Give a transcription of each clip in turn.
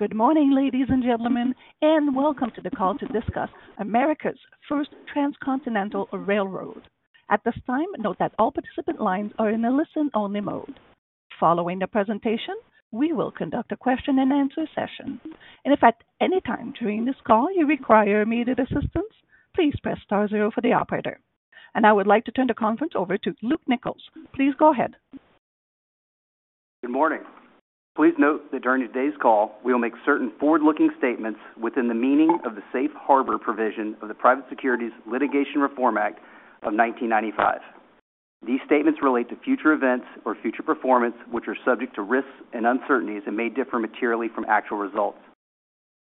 Good morning, ladies and gentlemen, and welcome to the call to discuss America's first transcontinental railroad. At this time, note that all participant lines are in a listen-only mode. Following the presentation, we will conduct a question-and-answer session. If at any time during this call you require immediate assistance, please press star zero for the operator. I would like to turn the conference over to Luke Nichols. Please go ahead. Good morning. Please note that during today's call, we will make certain forward-looking statements within the meaning of the safe harbor provision of the Private Securities Litigation Reform Act of 1995. These statements relate to future events or future performance which are subject to risks and uncertainties and may differ materially from actual results.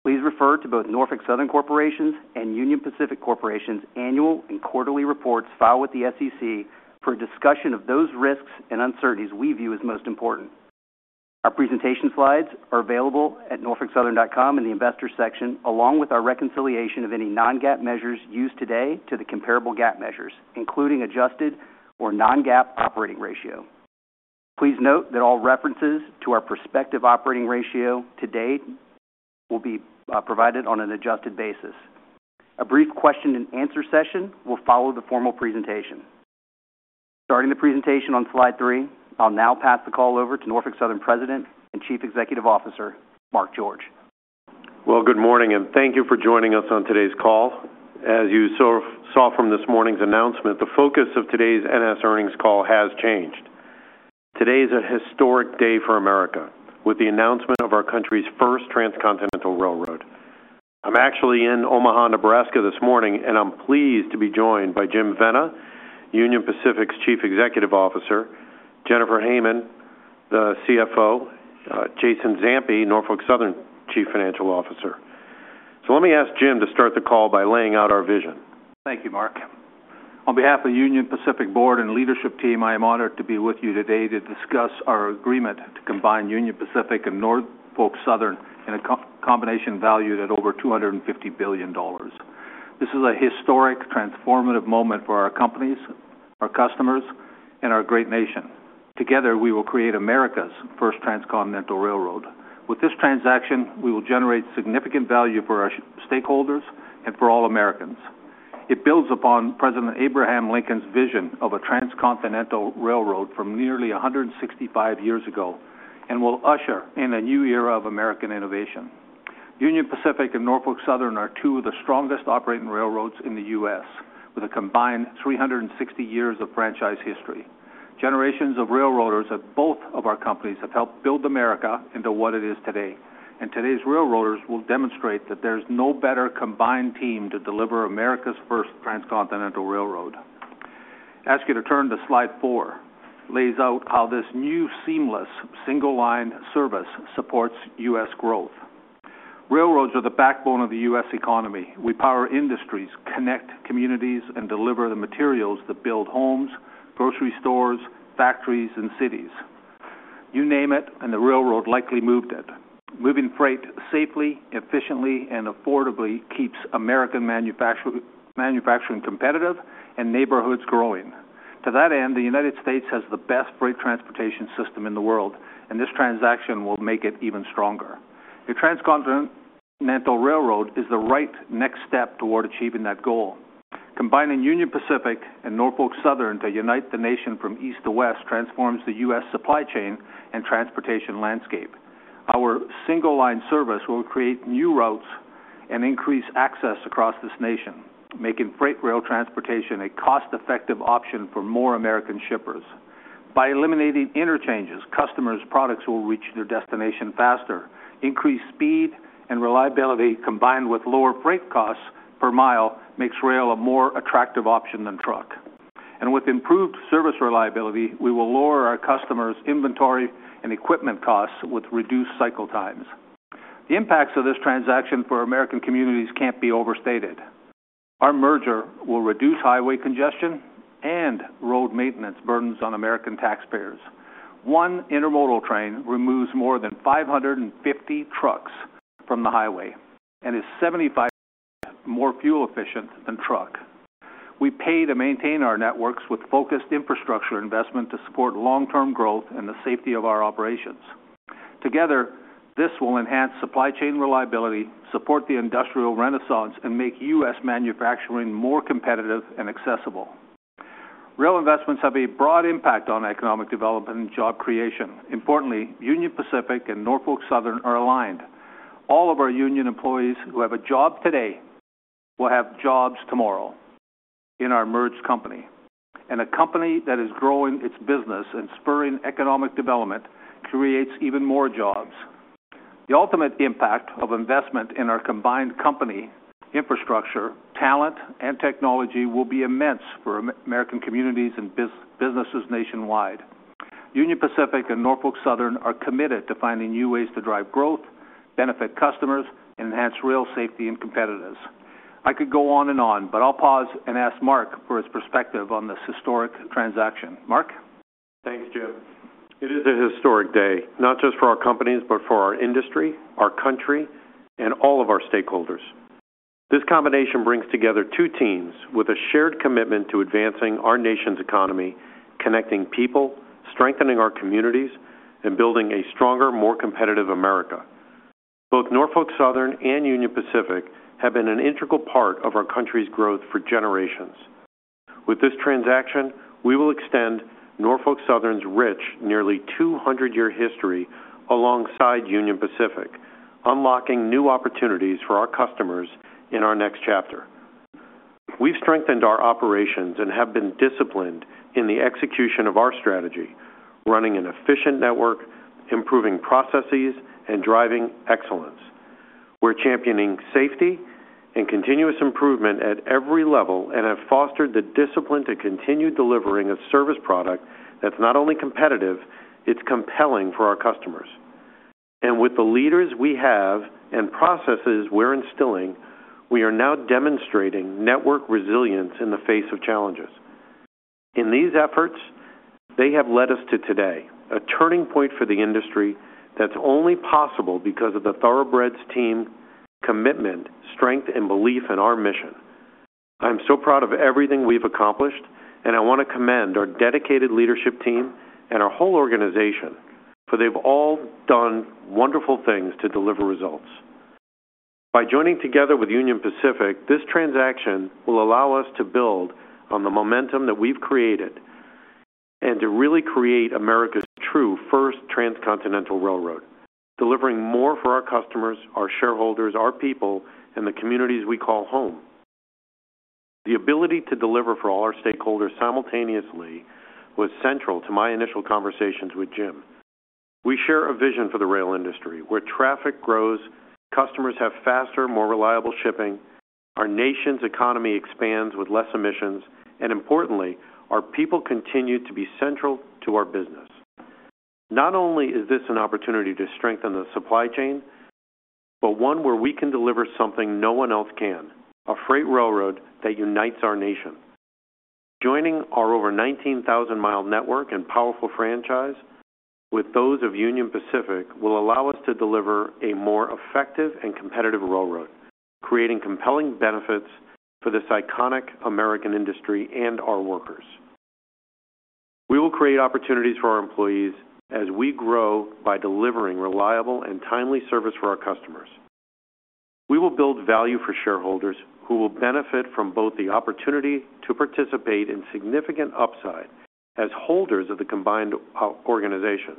Please refer to both Norfolk Southern Corporation's and Union Pacific Corporation's annual and quarterly reports filed with the SEC for a discussion of those risks and uncertainties we view as most important. Our presentation slides are available at norfolksouthern.com in the investor section, along with our reconciliation of any non-GAAP measures used today to the comparable GAAP measures, including adjusted or non-GAAP operating ratio. Please note that all references to our prospective operating ratio to date will be provided on an adjusted basis. A brief question-and-answer session will follow the formal presentation. Starting the presentation on slide three, I'll now pass the call over to Norfolk Southern President and Chief Executive Officer, Mark George. Good morning, and thank you for joining us on today's call. As you saw from this morning's announcement, the focus of today's NS earnings call has changed. Today is a historic day for America with the announcement of our country's first transcontinental railroad. I'm actually in Omaha, Nebraska, this morning, and I'm pleased to be joined by Jim Vena, Union Pacific's Chief Executive Officer, Jennifer Hamann, the CFO, Jason Zampi, Norfolk Southern's Chief Financial Officer. Let me ask Jim to start the call by laying out our vision. Thank you, Mark. On behalf of Union Pacific Board and leadership team, I am honored to be with you today to discuss our agreement to combine Union Pacific and Norfolk Southern in a combination valued at over $250 billion. This is a historic, transformative moment for our companies, our customers, and our great nation. Together, we will create America's first transcontinental railroad. With this transaction, we will generate significant value for our stakeholders and for all Americans. It builds upon President Abraham Lincoln's vision of a transcontinental railroad from nearly 165 years ago and will usher in a new era of American innovation. Union Pacific and Norfolk Southern are two of the strongest operating railroads in the U.S., with a combined 360 years of franchise history. Generations of railroaders at both of our companies have helped build America into what it is today. Today's railroaders will demonstrate that there is no better combined team to deliver America's first transcontinental railroad. I ask you to turn to slide four, which lays out how this new seamless single-line service supports U.S. growth. Railroads are the backbone of the U.S. economy. We power industries, connect communities, and deliver the materials that build homes, grocery stores, factories, and cities. You name it, and the railroad likely moved it. Moving freight safely, efficiently, and affordably keeps American manufacturing competitive and neighborhoods growing. To that end, the United States has the best freight transportation system in the world, and this transaction will make it even stronger. A transcontinental railroad is the right next step toward achieving that goal. Combining Union Pacific and Norfolk Southern to unite the nation from east to west transforms the U.S. supply chain and transportation landscape. Our single-line service will create new routes and increase access across this nation, making freight rail transportation a cost-effective option for more American shippers. By eliminating interchanges, customers' products will reach their destination faster. Increased speed and reliability, combined with lower freight costs per mile, makes rail a more attractive option than truck. With improved service reliability, we will lower our customers' inventory and equipment costs with reduced cycle times. The impacts of this transaction for American communities cannot be overstated. Our merger will reduce highway congestion and road maintenance burdens on American taxpayers. One intermodal train removes more than 550 trucks from the highway and is 75% more fuel-efficient than truck. We pay to maintain our networks with focused infrastructure investment to support long-term growth and the safety of our operations. Together, this will enhance supply chain reliability, support the industrial renaissance, and make U.S. manufacturing more competitive and accessible. Rail investments have a broad impact on economic development and job creation. Importantly, Union Pacific and Norfolk Southern are aligned. All of our Union employees who have a job today will have jobs tomorrow in our merged company. A company that is growing its business and spurring economic development creates even more jobs. The ultimate impact of investment in our combined company, infrastructure, talent, and technology will be immense for American communities and businesses nationwide. Union Pacific and Norfolk Southern are committed to finding new ways to drive growth, benefit customers, and enhance rail safety and competitiveness. I could go on and on, but I'll pause and ask Mark for his perspective on this historic transaction. Mark? Thanks, Jim. It is a historic day, not just for our companies, but for our industry, our country, and all of our stakeholders. This combination brings together two teams with a shared commitment to advancing our nation's economy, connecting people, strengthening our communities, and building a stronger, more competitive America. Both Norfolk Southern and Union Pacific have been an integral part of our country's growth for generations. With this transaction, we will extend Norfolk Southern's rich, nearly 200-year history alongside Union Pacific, unlocking new opportunities for our customers in our next chapter. We've strengthened our operations and have been disciplined in the execution of our strategy, running an efficient network, improving processes, and driving excellence. We're championing safety and continuous improvement at every level and have fostered the discipline to continue delivering a service product that's not only competitive, it's compelling for our customers. With the leaders we have and processes we're instilling, we are now demonstrating network resilience in the face of challenges. These efforts have led us to today, a turning point for the industry that's only possible because of the Thoroughbreds' team, commitment, strength, and belief in our mission. I'm so proud of everything we've accomplished, and I want to commend our dedicated leadership team and our whole organization for they have all done wonderful things to deliver results. By joining together with Union Pacific, this transaction will allow us to build on the momentum that we've created. To really create America's true first transcontinental railroad, delivering more for our customers, our shareholders, our people, and the communities we call home. The ability to deliver for all our stakeholders simultaneously was central to my initial conversations with Jim. We share a vision for the rail industry where traffic grows, customers have faster, more reliable shipping, our nation's economy expands with less emissions, and importantly, our people continue to be central to our business. Not only is this an opportunity to strengthen the supply chain, but one where we can deliver something no one else can, a freight railroad that unites our nation. Joining our over 19,000-mile network and powerful franchise with those of Union Pacific will allow us to deliver a more effective and competitive railroad, creating compelling benefits for this iconic American industry and our workers. We will create opportunities for our employees as we grow by delivering reliable and timely service for our customers. We will build value for shareholders who will benefit from both the opportunity to participate in significant upside as holders of the combined organization,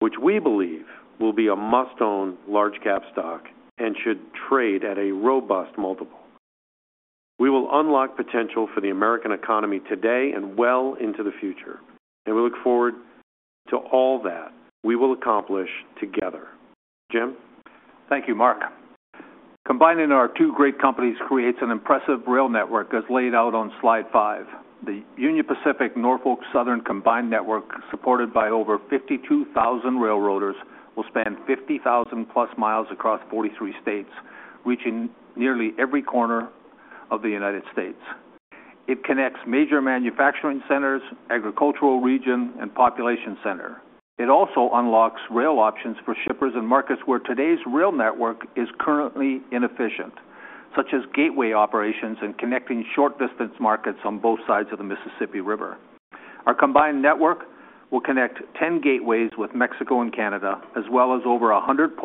which we believe will be a must-own large-cap stock and should trade at a robust multiple. We will unlock potential for the American economy today and well into the future. We look forward to all that we will accomplish together. Jim? Thank you, Mark. Combining our two great companies creates an impressive rail network, as laid out on slide five. The Union Pacific-Norfolk Southern combined network, supported by over 52,000 railroaders, will span 50,000+ miles across 43 states, reaching nearly every corner of the United States. It connects major manufacturing centers, agricultural regions, and population centers. It also unlocks rail options for shippers and markets where today's rail network is currently inefficient, such as gateway operations and connecting short-distance markets on both sides of the Mississippi River. Our combined network will connect 10 gateways with Mexico and Canada, as well as over 100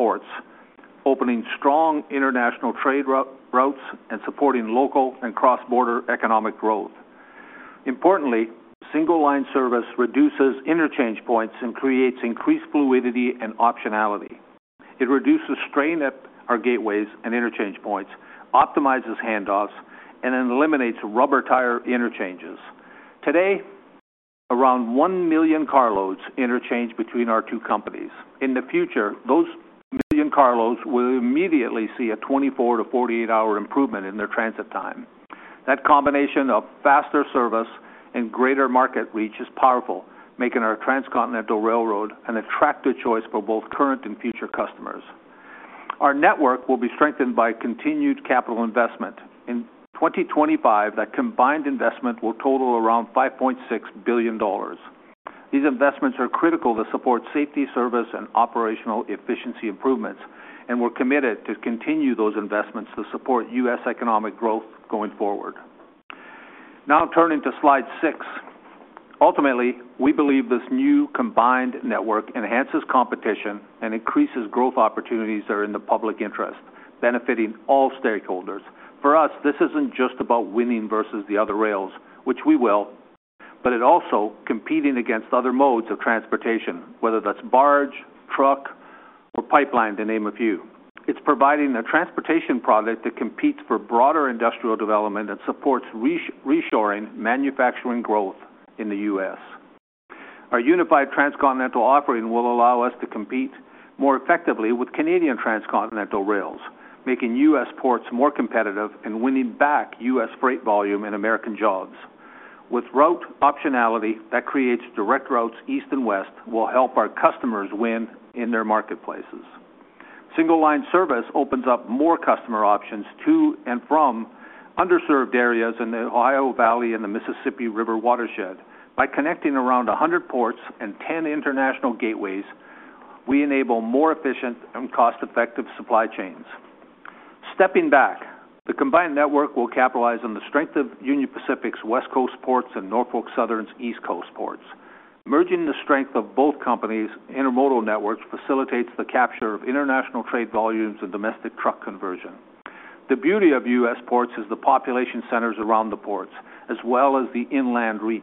ports, opening strong international trade routes and supporting local and cross-border economic growth. Importantly, single-line service reduces interchange points and creates increased fluidity and optionality. It reduces strain at our gateways and interchange points, optimizes handoffs, and eliminates rubber tire interchanges. Today, around 1 million carloads interchange between our two companies. In the future, those million carloads will immediately see a 24-48 hour improvement in their transit time. That combination of faster service and greater market reach is powerful, making our transcontinental railroad an attractive choice for both current and future customers. Our network will be strengthened by continued capital investment. In 2025, that combined investment will total around $5.6 billion. These investments are critical to support safety, service, and operational efficiency improvements and we're committed to continue those investments to support U.S. economic growth going forward. Now turning to slide six. Ultimately, we believe this new combined network enhances competition and increases growth opportunities that are in the public interest, benefiting all stakeholders. For us, this isn't just about winning versus the other rails, which we will, but it also competes against other modes of transportation, whether that's barge, truck, or pipeline, to name a few. It's providing a transportation product that competes for broader industrial development and supports reshoring manufacturing growth in the U.S. Our unified transcontinental offering will allow us to compete more effectively with Canadian transcontinental rails, making US ports more competitive and winning back U.S. freight volume and American jobs. With route optionality that creates direct routes east and west will help our customers win in their marketplaces. Single-line service opens up more customer options to and from underserved areas in the Ohio Valley and the Mississippi River watershed. By connecting around 100 ports and 10 international gateways, we enable more efficient and cost-effective supply chains. Stepping back, the combined network will capitalize on the strength of Union Pacific's West Coast ports and Norfolk Southern's East Coast ports. Merging the strength of both companies' intermodal networks facilitates the capture of international trade volumes and domestic truck conversion. The beauty of U.S. ports is the population centers around the ports, as well as the inland reach,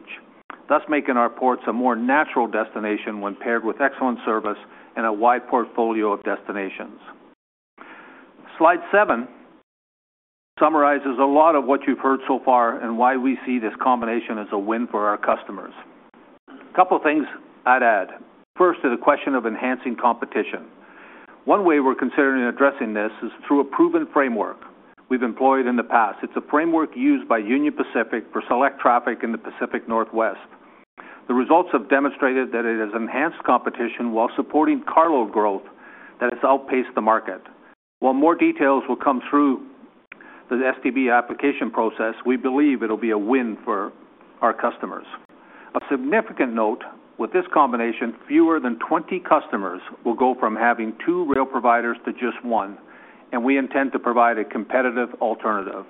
thus making our ports a more natural destination when paired with excellent service and a wide portfolio of destinations. Slide seven. Summarizes a lot of what you've heard so far and why we see this combination as a win for our customers. A couple of things I'd add. First, to the question of enhancing competition. One way we're considering addressing this is through a proven framework we've employed in the past. It's a framework used by Union Pacific for select traffic in the Pacific Northwest. The results have demonstrated that it has enhanced competition while supporting carload growth that has outpaced the market. While more details will come through. The STB application process, we believe it'll be a win for our customers. A significant note, with this combination, fewer than 20 customers will go from having two rail providers to just one, and we intend to provide a competitive alternative.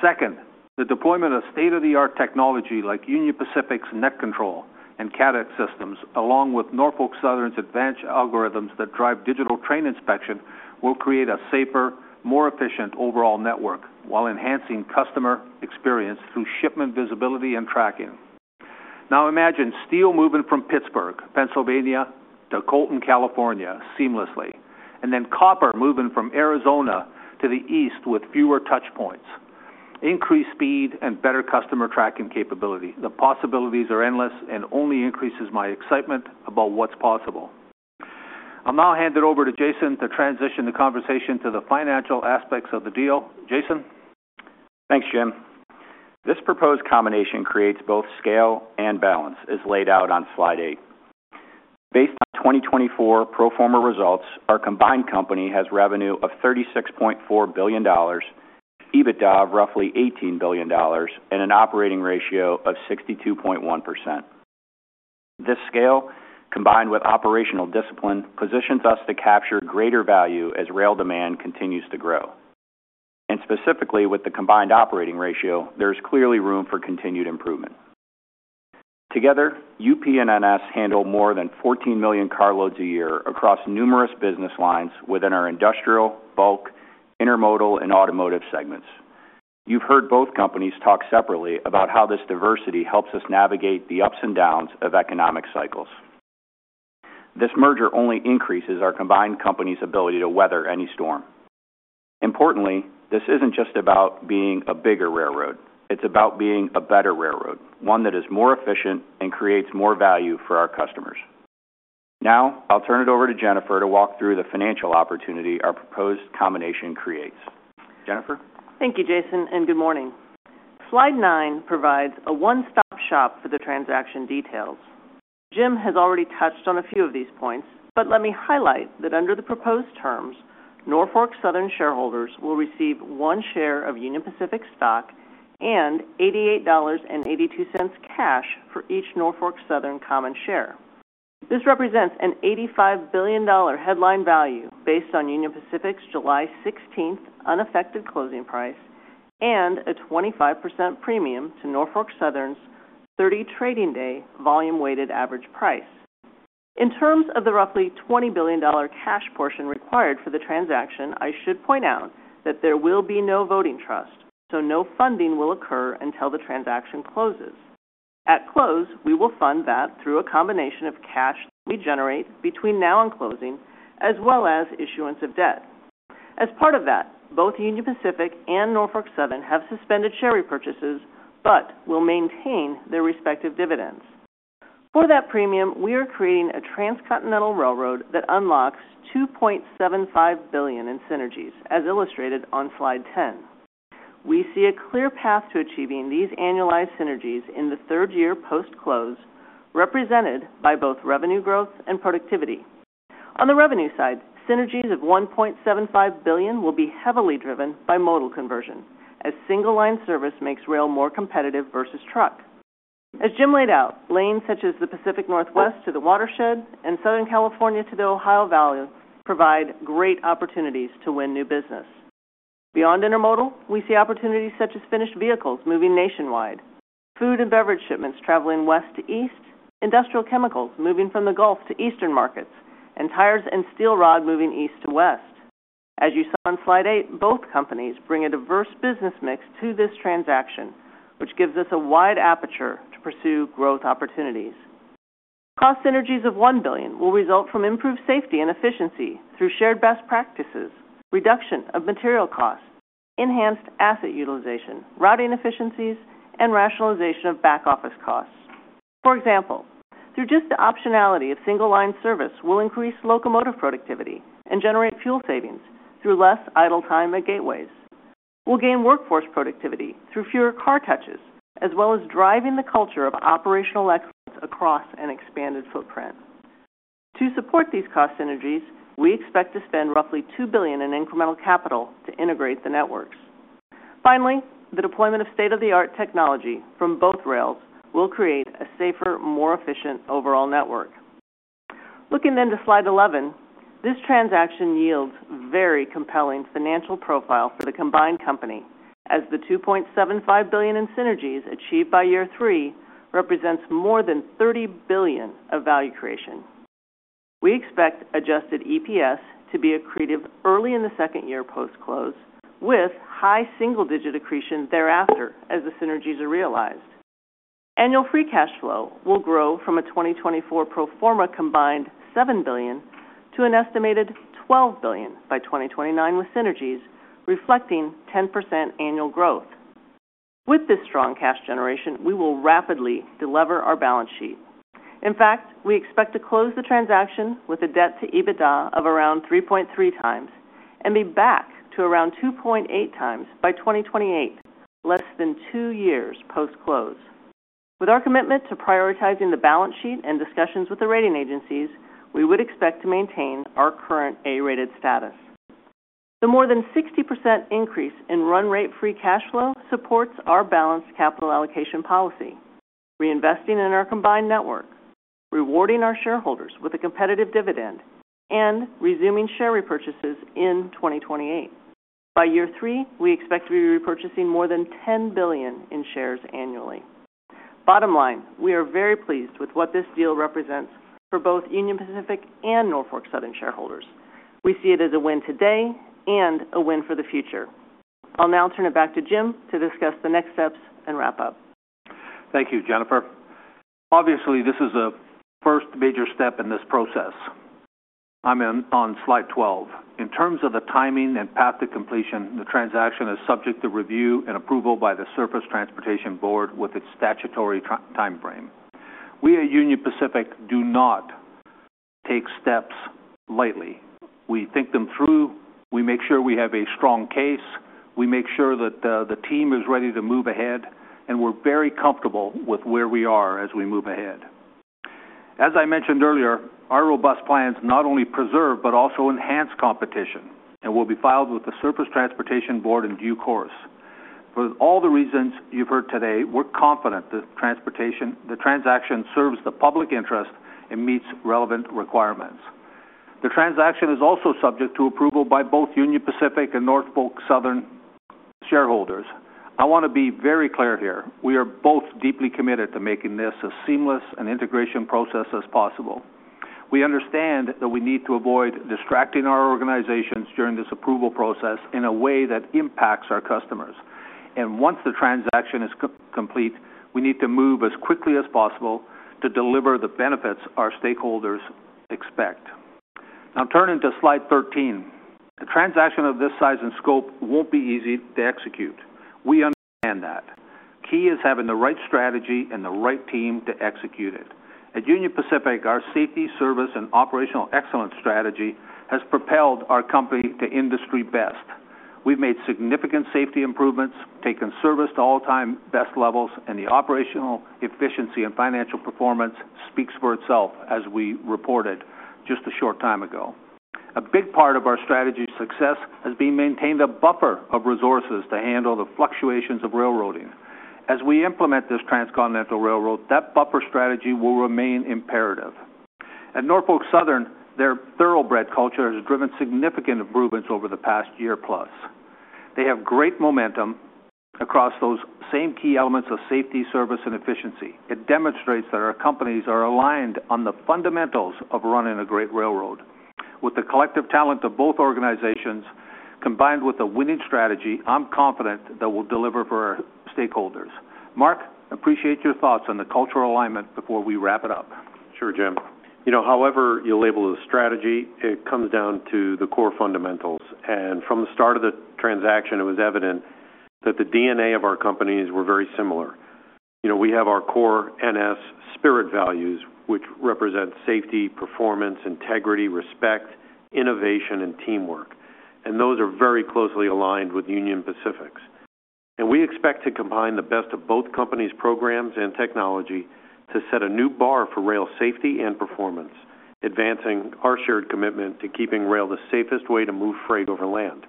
Second, the deployment of state-of-the-art technology like Union Pacific's NetControl and CADX systems, along with Norfolk Southern's advanced algorithms that drive Digital Train Inspection, will create a safer, more efficient overall network while enhancing customer experience through shipment visibility and tracking. Now imagine steel moving from Pittsburgh, Pennsylvania, to Colton, California, seamlessly, and then copper moving from Arizona to the east with fewer touch points. Increased speed and better customer tracking capability. The possibilities are endless and only increases my excitement about what's possible. I'll now hand it over to Jason to transition the conversation to the financial aspects of the deal. Jason? Thanks, Jim. This proposed combination creates both scale and balance, as laid out on slide eight. Based on 2024 pro forma results, our combined company has revenue of $36.4 billion, EBITDA of roughly $18 billion, and an operating ratio of 62.1%. This scale, combined with operational discipline, positions us to capture greater value as rail demand continues to grow. Specifically with the combined operating ratio, there's clearly room for continued improvement. Together, UP and NS handle more than 14 million carloads a year across numerous business lines within our industrial, bulk, intermodal, and automotive segments. You've heard both companies talk separately about how this diversity helps us navigate the ups and downs of economic cycles. This merger only increases our combined company's ability to weather any storm. Importantly, this isn't just about being a bigger railroad. It's about being a better railroad, one that is more efficient and creates more value for our customers. Now, I'll turn it over to Jennifer to walk through the financial opportunity our proposed combination creates. Jennifer? Thank you, Jason, and good morning. Slide nine provides a one-stop shop for the transaction details. Jim has already touched on a few of these points, but let me highlight that under the proposed terms, Norfolk Southern shareholders will receive one share of Union Pacific stock and $88.82 cash for each Norfolk Southern common share. This represents an $85 billion headline value based on Union Pacific's July 16th unaffected closing price and a 25% premium to Norfolk Southern's 30 trading day volume-weighted average price. In terms of the roughly $20 billion cash portion required for the transaction, I should point out that there will be no voting trust, so no funding will occur until the transaction closes. At close, we will fund that through a combination of cash that we generate between now and closing, as well as issuance of debt. As part of that, both Union Pacific and Norfolk Southern have suspended share repurchases but will maintain their respective dividends. For that premium, we are creating a transcontinental railroad that unlocks $2.75 billion in synergies, as illustrated on slide 10. We see a clear path to achieving these annualized synergies in the third year post-close, represented by both revenue growth and productivity. On the revenue side, synergies of $1.75 billion will be heavily driven by modal conversion, as single-line service makes rail more competitive versus truck. As Jim laid out, lanes such as the Pacific Northwest to the watershed and Southern California to the Ohio Valley provide great opportunities to win new business. Beyond intermodal, we see opportunities such as finished vehicles moving nationwide, food and beverage shipments traveling west to east, industrial chemicals moving from the Gulf to eastern markets, and tires and steel rod moving east to west. As you saw on slide eight, both companies bring a diverse business mix to this transaction, which gives us a wide aperture to pursue growth opportunities. Cost synergies of $1 billion will result from improved safety and efficiency through shared best practices, reduction of material costs, enhanced asset utilization, routing efficiencies, and rationalization of back-office costs. For example, through just the optionality of single-line service, we'll increase locomotive productivity and generate fuel savings through less idle time at gateways. We'll gain workforce productivity through fewer car touches, as well as driving the culture of operational excellence across an expanded footprint. To support these cost synergies, we expect to spend roughly $2 billion in incremental capital to integrate the networks. Finally, the deployment of state-of-the-art technology from both rails will create a safer, more efficient overall network. Looking then to slide 11, this transaction yields very compelling financial profile for the combined company, as the $2.75 billion in synergies achieved by year three represents more than $30 billion of value creation. We expect adjusted EPS to be accretive early in the second year post-close, with high single-digit accretion thereafter as the synergies are realized. Annual free cash flow will grow from a 2024 pro forma combined $7 billion to an estimated $12 billion by 2029 with synergies, reflecting 10% annual growth. With this strong cash generation, we will rapidly delever our balance sheet. In fact, we expect to close the transaction with a debt-to-EBITDA of around 3.3x and be back to around 2.8x by 2028, less than two years post-close. With our commitment to prioritizing the balance sheet and discussions with the rating agencies, we would expect to maintain our current A-rated status. The more than 60% increase in run-rate free cash flow supports our balanced capital allocation policy, reinvesting in our combined network, rewarding our shareholders with a competitive dividend, and resuming share repurchases in 2028. By year three, we expect to be repurchasing more than $10 billion in shares annually. Bottom line, we are very pleased with what this deal represents for both Union Pacific and Norfolk Southern shareholders. We see it as a win today and a win for the future. I'll now turn it back to Jim to discuss the next steps and wrap up. Thank you, Jennifer. Obviously, this is a first major step in this process. I'm on slide 12. In terms of the timing and path to completion, the transaction is subject to review and approval by the Surface Transportation Board with its statutory timeframe. We at Union Pacific do not take steps lightly. We think them through. We make sure we have a strong case. We make sure that the team is ready to move ahead, and we're very comfortable with where we are as we move ahead. As I mentioned earlier, our robust plans not only preserve but also enhance competition and will be filed with the Surface Transportation Board in due course. For all the reasons you've heard today, we're confident the transaction serves the public interest and meets relevant requirements. The transaction is also subject to approval by both Union Pacific and Norfolk Southern shareholders. I want to be very clear here. We are both deeply committed to making this as seamless an integration process as possible. We understand that we need to avoid distracting our organizations during this approval process in a way that impacts our customers. Once the transaction is complete, we need to move as quickly as possible to deliver the benefits our stakeholders expect. Now turning to slide 13, a transaction of this size and scope won't be easy to execute. We understand that. Key is having the right strategy and the right team to execute it. At Union Pacific, our safety, service, and operational excellence strategy has propelled our company to industry best. We've made significant safety improvements, taken service to all-time best levels, and the operational efficiency and financial performance speaks for itself, as we reported just a short time ago. A big part of our strategy's success has been maintaining a buffer of resources to handle the fluctuations of railroading. As we implement this transcontinental railroad, that buffer strategy will remain imperative. At Norfolk Southern, their thoroughbred culture has driven significant improvements over the past year-plus. They have great momentum across those same key elements of safety, service, and efficiency. It demonstrates that our companies are aligned on the fundamentals of running a great railroad. With the collective talent of both organizations combined with a winning strategy, I'm confident that we'll deliver for our stakeholders. Mark, I appreciate your thoughts on the cultural alignment before we wrap it up. Sure, Jim. However you label the strategy, it comes down to the core fundamentals. From the start of the transaction, it was evident that the DNA of our companies were very similar. We have our core NS spirit values, which represent safety, performance, integrity, respect, innovation, and teamwork. Those are very closely aligned with Union Pacific's. We expect to combine the best of both companies' programs and technology to set a new bar for rail safety and performance, advancing our shared commitment to keeping rail the safest way to move freight over land.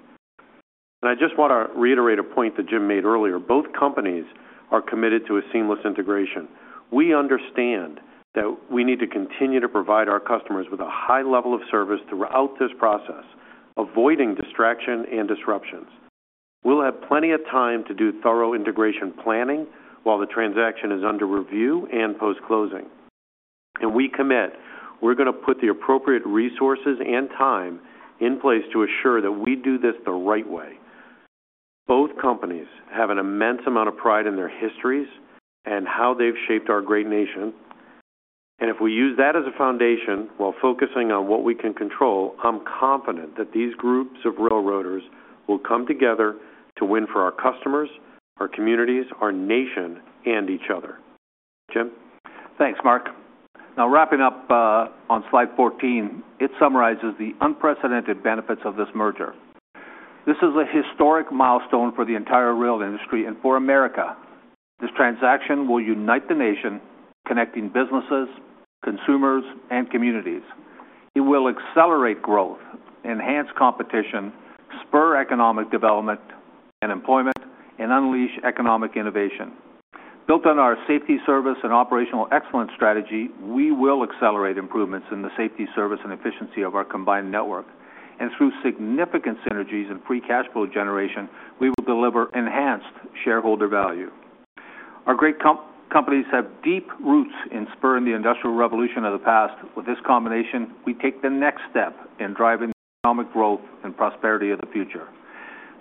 I just want to reiterate a point that Jim made earlier. Both companies are committed to a seamless integration. We understand that we need to continue to provide our customers with a high level of service throughout this process, avoiding distraction and disruptions. We'll have plenty of time to do thorough integration planning while the transaction is under review and post-closing. We commit. We're going to put the appropriate resources and time in place to assure that we do this the right way. Both companies have an immense amount of pride in their histories and how they've shaped our great nation. If we use that as a foundation while focusing on what we can control, I'm confident that these groups of railroaders will come together to win for our customers, our communities, our nation, and each other. Jim? Thanks, Mark. Now, wrapping up on slide 14, it summarizes the unprecedented benefits of this merger. This is a historic milestone for the entire rail industry and for America. This transaction will unite the nation, connecting businesses, consumers, and communities. It will accelerate growth, enhance competition, spur economic development and employment, and unleash economic innovation. Built on our safety service and operational excellence strategy, we will accelerate improvements in the safety, service, and efficiency of our combined network. Through significant synergies and free cash flow generation, we will deliver enhanced shareholder value. Our great companies have deep roots in spurring the industrial revolution of the past. With this combination, we take the next step in driving economic growth and prosperity of the future.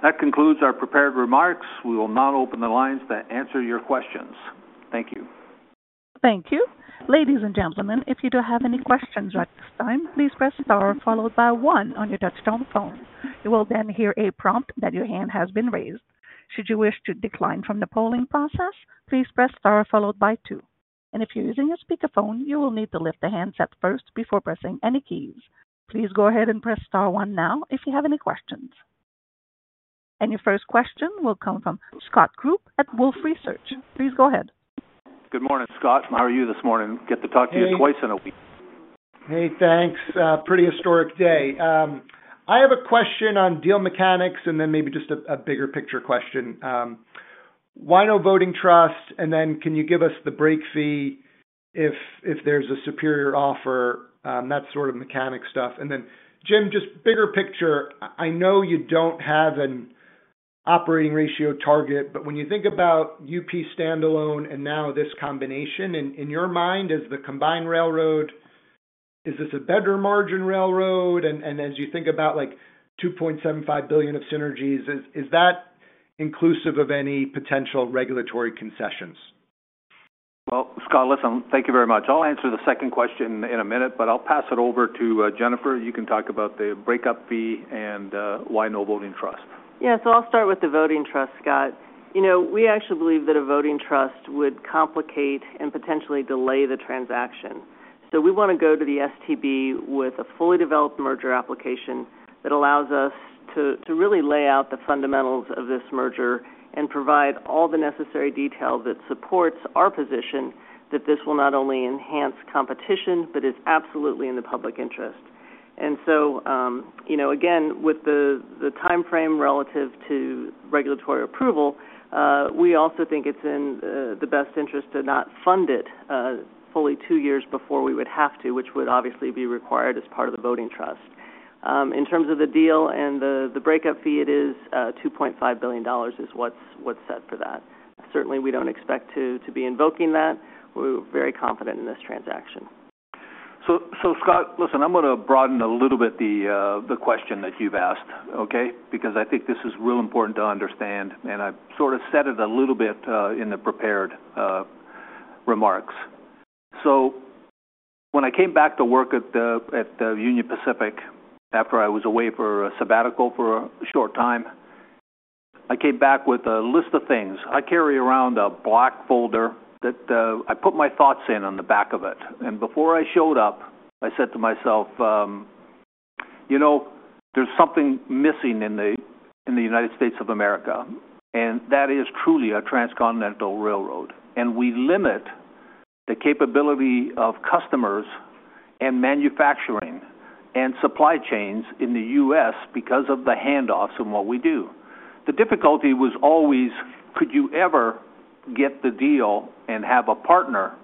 That concludes our prepared remarks. We will now open the lines to answer your questions. Thank you. Thank you. Ladies and gentlemen, if you do have any questions at this time, please press star followed by one on your touch-tone phone. You will then hear a prompt that your hand has been raised. Should you wish to decline from the polling process, please press star followed by two. If you're using a speakerphone, you will need to lift the handset first before pressing any keys. Please go ahead and press star one now if you have any questions. Your first question will come from Scott Group at Wolfe Research. Please go ahead. Good morning, Scott. How are you this morning? Get to talk to you twice in a week. Hey, thanks. Pretty historic day. I have a question on deal mechanics and then maybe just a bigger picture question. Why no voting trust? Can you give us the break fee if there's a superior offer? That sort of mechanic stuff. Jim, just bigger picture, I know you don't have an operating ratio target, but when you think about UP standalone and now this combination, in your mind, is the combined railroad, is this a better margin railroad? As you think about $2.75 billion of synergies, is that inclusive of any potential regulatory concessions? Scott, listen, thank you very much. I'll answer the second question in a minute, but I'll pass it over to Jennifer. You can talk about the breakup fee and why no voting trust. Yeah, so I'll start with the voting trust, Scott. We actually believe that a voting trust would complicate and potentially delay the transaction. We want to go to the STB with a fully developed merger application that allows us to really lay out the fundamentals of this merger and provide all the necessary details that support our position that this will not only enhance competition, but is absolutely in the public interest. Again, with the timeframe relative to regulatory approval, we also think it's in the best interest to not fund it fully two years before we would have to, which would obviously be required as part of the voting trust. In terms of the deal and the breakup fee, it is $2.5 billion is what's set for that. Certainly, we don't expect to be invoking that. We're very confident in this transaction. Scott, listen, I'm going to broaden a little bit the question that you've asked, okay? Because I think this is real important to understand, and I sort of said it a little bit in the prepared remarks. When I came back to work at Union Pacific after I was away for a sabbatical for a short time, I came back with a list of things. I carry around a black folder that I put my thoughts in on the back of it. Before I showed up, I said to myself, "There's something missing in the United States of America, and that is truly a transcontinental railroad. We limit the capability of customers and manufacturing and supply chains in the U.S. because of the handoffs and what we do." The difficulty was always, could you ever get the deal and have a partner?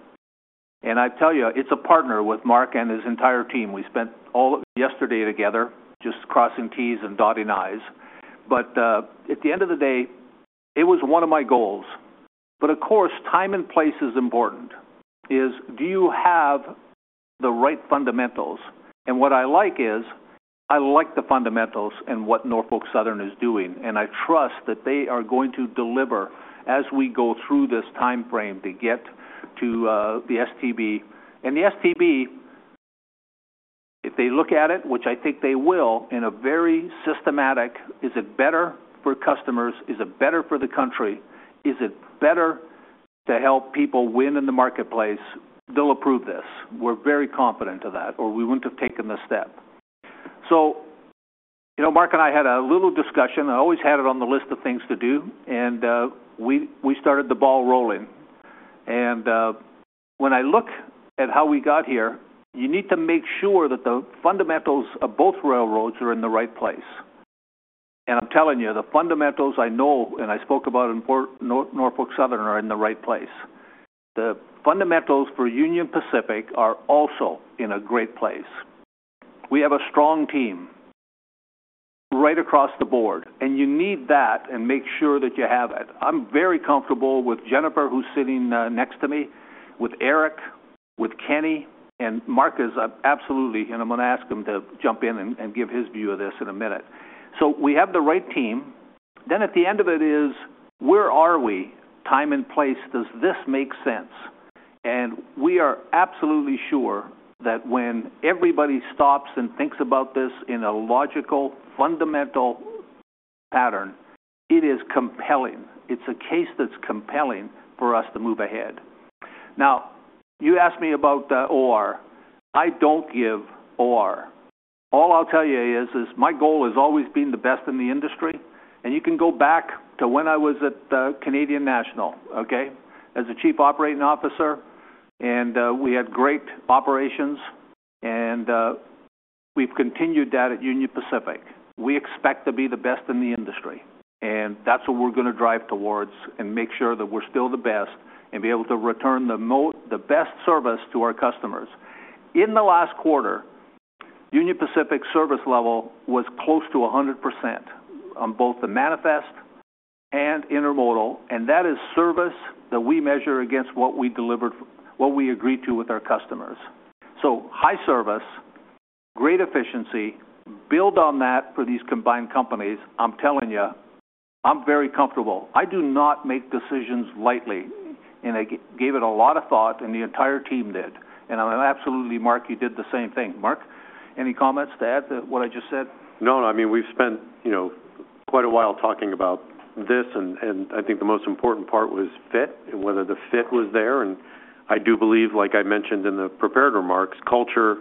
I tell you, it's a partner with Mark and his entire team. We spent all of yesterday together, just crossing T's and dotting I's. At the end of the day, it was one of my goals. Of course, time and place is important. Do you have the right fundamentals? What I like is I like the fundamentals and what Norfolk Southern is doing. I trust that they are going to deliver as we go through this timeframe to get to the STB. The STB, if they look at it, which I think they will, in a very systematic, is it better for customers? Is it better for the country? Is it better to help people win in the marketplace? They'll approve this. We're very confident of that, or we wouldn't have taken the step. Mark and I had a little discussion. I always had it on the list of things to do. We started the ball rolling. When I look at how we got here, you need to make sure that the fundamentals of both railroads are in the right place. I'm telling you, the fundamentals I know, and I spoke about in Norfolk Southern, are in the right place. The fundamentals for Union Pacific are also in a great place. We have a strong team right across the board. You need that and make sure that you have it. I'm very comfortable with Jennifer, who's sitting next to me, with Eric, with Kenny, and Mark is absolutely, and I'm going to ask him to jump in and give his view of this in a minute. We have the right team. At the end of it is, where are we? Time and place, does this make sense? We are absolutely sure that when everybody stops and thinks about this in a logical, fundamental pattern, it is compelling. It's a case that's compelling for us to move ahead. Now, you asked me about OR. I don't give OR. All I'll tell you is my goal has always been the best in the industry. You can go back to when I was at the Canadian National, okay, as a Chief Operating Officer. We had great operations. We've continued that at Union Pacific. We expect to be the best in the industry. That is what we're going to drive towards and make sure that we're still the best and be able to return the best service to our customers. In the last quarter, Union Pacific's service level was close to 100% on both the manifest and intermodal. That is service that we measure against what we agreed to with our customers. High service, great efficiency, build on that for these combined companies. I'm telling you, I'm very comfortable. I do not make decisions lightly. I gave it a lot of thought, and the entire team did. I'm absolutely—Mark, you did the same thing. Mark, any comments to add to what I just said? No, no. I mean, we've spent quite a while talking about this, and I think the most important part was fit and whether the fit was there. I do believe, like I mentioned in the prepared remarks, culture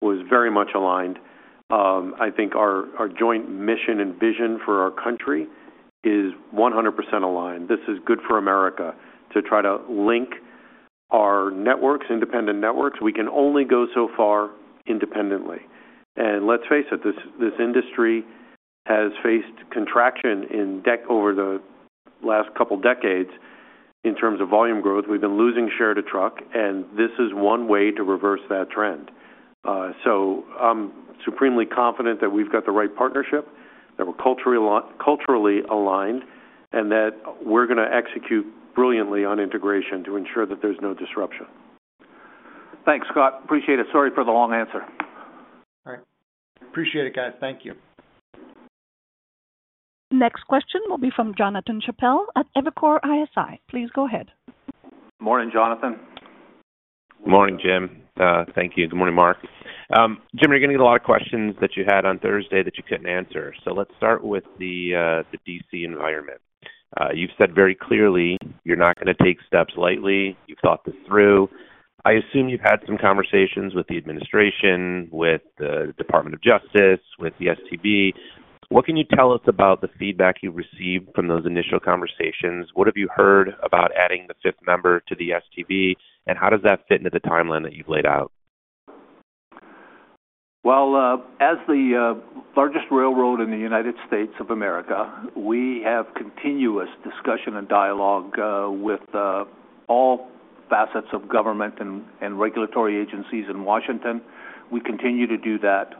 was very much aligned. I think our joint mission and vision for our country is 100% aligned. This is good for America to try to link our networks, independent networks. We can only go so far independently. Let's face it, this industry has faced contraction over the last couple of decades in terms of volume growth. We've been losing share to truck, and this is one way to reverse that trend. I'm supremely confident that we've got the right partnership, that we're culturally aligned, and that we're going to execute brilliantly on integration to ensure that there's no disruption. Thanks, Scott. Appreciate it. Sorry for the long answer. All right. Appreciate it, guys. Thank you. Next question will be from Jonathan Chappell at Evercore ISI. Please go ahead. Morning, Jonathan. Morning, Jim. Thank you. Good morning, Mark. Jim, you're going to get a lot of questions that you had on Thursday that you couldn't answer. Let's start with the DC environment. You've said very clearly you're not going to take steps lightly. You've thought this through. I assume you've had some conversations with the administration, with the Department of Justice, with the STB. What can you tell us about the feedback you received from those initial conversations? What have you heard about adding the fifth member to the STB, and how does that fit into the timeline that you've laid out? As the largest railroad in the United States of America, we have continuous discussion and dialogue with all facets of government and regulatory agencies in Washington. We continue to do that.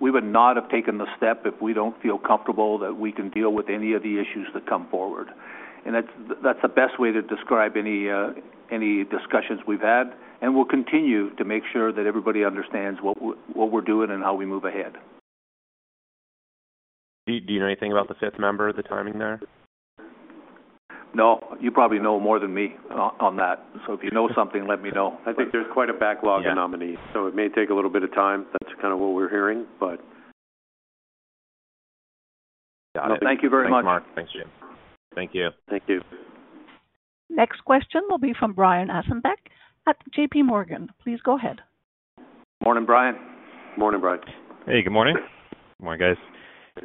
We would not have taken the step if we do not feel comfortable that we can deal with any of the issues that come forward. That is the best way to describe any discussions we have had. We will continue to make sure that everybody understands what we are doing and how we move ahead. Do you know anything about the fifth member, the timing there? No, you probably know more than me on that. If you know something, let me know. I think there's quite a backlog in nominees, so it may take a little bit of time. That's kind of what we're hearing. Got it. Thank you very much. Thanks, Mark. Thanks, Jim. Thank you. Thank you. Next question will be from Brian Ossenbeck at JPMorgan. Please go ahead. Morning, Brian. Morning, Brian. Hey, good morning. Good morning, guys.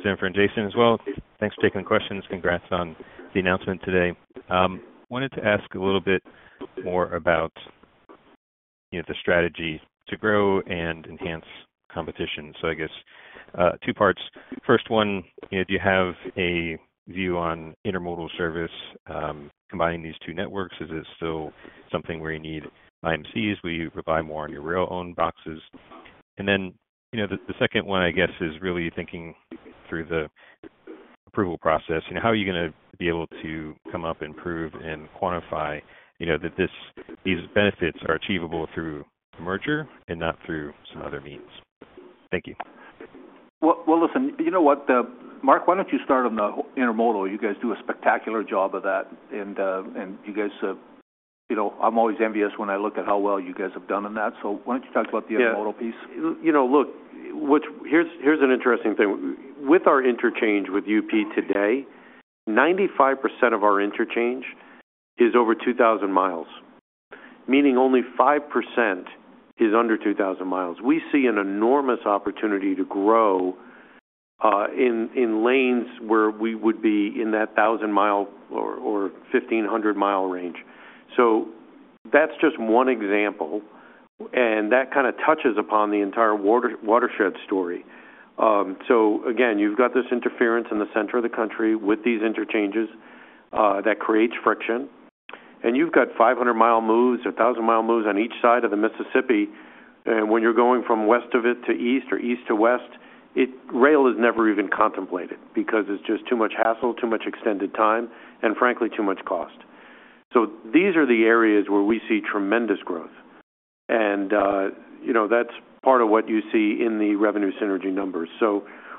Jim and Jason as well. Thanks for taking the questions. Congrats on the announcement today. I wanted to ask a little bit more about the strategy to grow and enhance competition. I guess two parts. First one, do you have a view on intermodal service combining these two networks? Is it still something where you need IMCs? Will you provide more on your rail-owned boxes? The second one, I guess, is really thinking through the approval process. How are you going to be able to come up and prove and quantify that these benefits are achievable through merger and not through some other means? Thank you. Listen, you know what, Mark? Why don't you start on the intermodal? You guys do a spectacular job of that. You guys, I'm always envious when I look at how well you guys have done in that. Why don't you talk about the intermodal piece? Yeah. Look. Here's an interesting thing. With our interchange with UP today, 95% of our interchange is over 2,000 mi, meaning only 5% is under 2,000 mi. We see an enormous opportunity to grow. In lanes where we would be in that 1,000 mi or 1,500 mi range. That's just one example. That kind of touches upon the entire watershed story. Again, you've got this interference in the center of the country with these interchanges that creates friction. You've got 500 mi moves, 1,000 mi moves on each side of the Mississippi. When you're going from west of it to east or east to west, rail is never even contemplated because it's just too much hassle, too much extended time, and frankly, too much cost. These are the areas where we see tremendous growth. That's part of what you see in the revenue synergy numbers.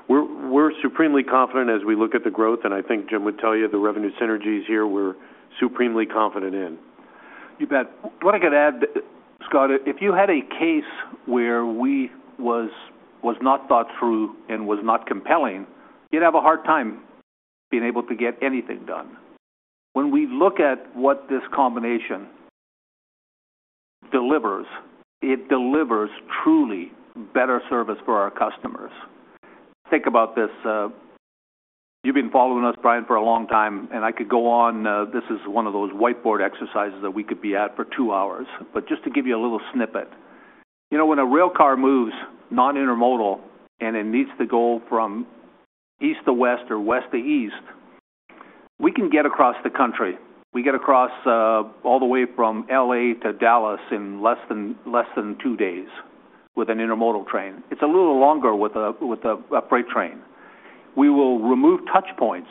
We're supremely confident as we look at the growth. I think Jim would tell you the revenue synergies here we're supremely confident in. You bet. What I can add, Scott, if you had a case where we was not thought through and was not compelling, you'd have a hard time being able to get anything done. When we look at what this combination delivers, it delivers truly better service for our customers. Think about this. You've been following us, Brian, for a long time, and I could go on. This is one of those whiteboard exercises that we could be at for two hours. Just to give you a little snippet, when a railcar moves non-intermodal and it needs to go from east to west or west to east, we can get across the country. We get across all the way from L.A. to Dallas in less than two days with an intermodal train. It's a little longer with a freight train. We will remove touch points.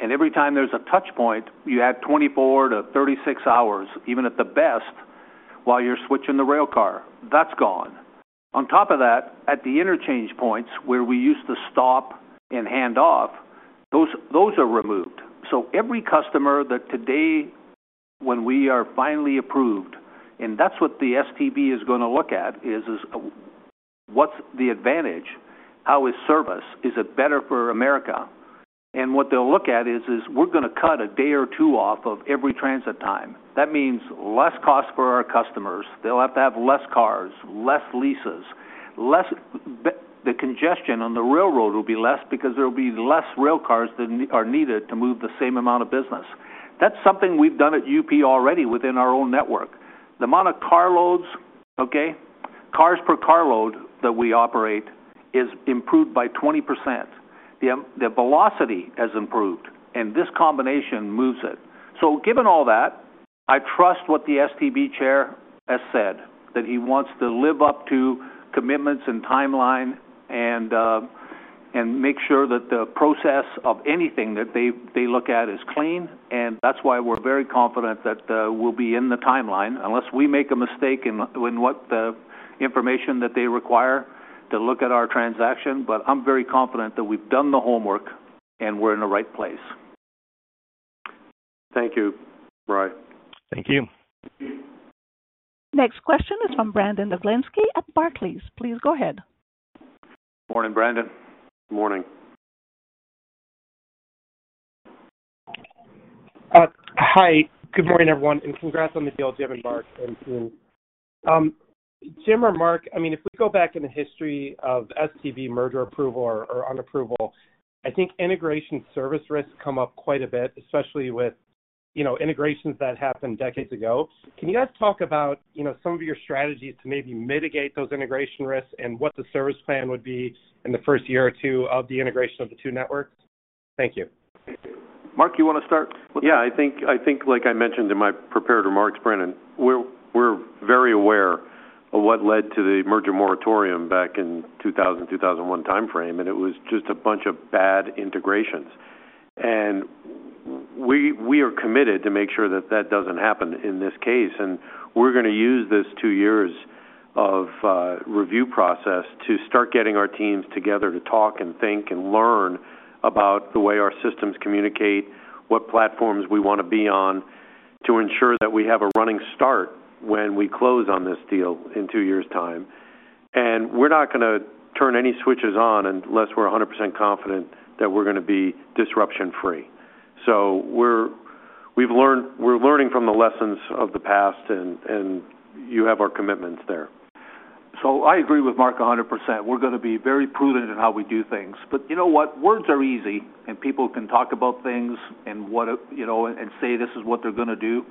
Every time there's a touch point, you add 24-36 hours, even at the best, while you're switching the railcar. That's gone. On top of that, at the interchange points where we used to stop and hand off, those are removed. Every customer that today, when we are finally approved, and that's what the STB is going to look at, is what's the advantage? How is service? Is it better for America? What they'll look at is we're going to cut a day or two off of every transit time. That means less cost for our customers. They'll have to have fewer cars, fewer leases. The congestion on the railroad will be less because there will be fewer railcars that are needed to move the same amount of business. That's something we've done at UP already within our own network. The amount of cars per carload that we operate is improved by 20%. The velocity has improved. This combination moves it. Given all that, I trust what the STB chair has said, that he wants to live up to commitments and timeline and make sure that the process of anything that they look at is clean. That's why we're very confident that we'll be in the timeline unless we make a mistake in what the information that they require to look at our transaction. I'm very confident that we've done the homework and we're in the right place. Thank you, Brian. Thank you. Next question is from Brandon Oglenski at Barclays. Please go ahead. Morning, Brandon. Morning. Hi. Good morning, everyone. Congrats on the deal, Jim and Mark. Jim or Mark, I mean, if we go back in the history of STB merger approval or unapproval, I think integration service risks come up quite a bit, especially with integrations that happened decades ago. Can you guys talk about some of your strategies to maybe mitigate those integration risks and what the service plan would be in the first year or two of the integration of the two networks? Thank you. Mark, you want to start? Yeah. I think, like I mentioned in my prepared remarks, Brandon, we're very aware of what led to the merger moratorium back in the 2000, 2001 timeframe. It was just a bunch of bad integrations. We are committed to make sure that that doesn't happen in this case. We're going to use this two years of review process to start getting our teams together to talk and think and learn about the way our systems communicate, what platforms we want to be on, to ensure that we have a running start when we close on this deal in two years' time. We're not going to turn any switches on unless we're 100% confident that we're going to be disruption-free. We're learning from the lessons of the past, and you have our commitments there. I agree with Mark 100%. We're going to be very prudent in how we do things. But you know what? Words are easy, and people can talk about things and say this is what they're going to do.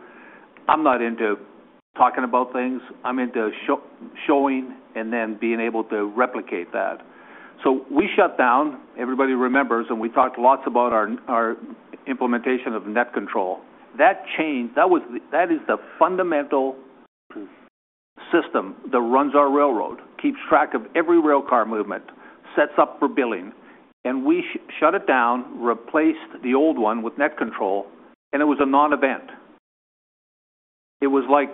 I'm not into talking about things. I'm into showing and then being able to replicate that. We shut down. Everybody remembers, and we talked lots about our implementation of NetControl. That changed. That is the fundamental system that runs our railroad, keeps track of every railcar movement, sets up for billing. We shut it down, replaced the old one with NetControl, and it was a non-event. It was like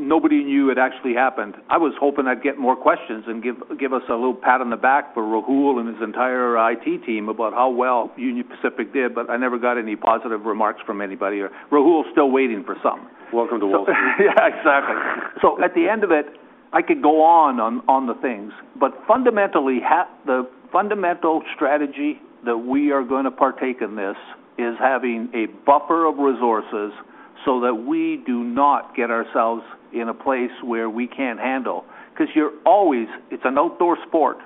nobody knew it actually happened. I was hoping I'd get more questions and give us a little pat on the back for Rahul and his entire IT team about how well Union Pacific did, but I never got any positive remarks from anybody. Rahul's still waiting for some. Welcome to water. Yeah, exactly. At the end of it, I could go on on the things, but fundamentally, the fundamental strategy that we are going to partake in this is having a buffer of resources so that we do not get ourselves in a place where we can't handle. Because it's an outdoor sport.